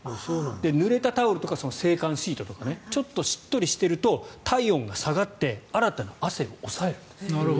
ぬれたタオルとか制汗シートとかちょっとしっとりしていると体温が下がって新たな汗を抑えるんですって。